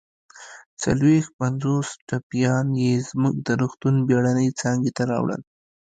څلويښت پنځوس ټپیان يې زموږ د روغتون بېړنۍ څانګې ته راوړل